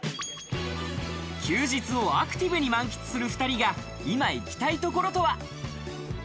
休日をアクティブに満喫する２人が今行きたい所とは。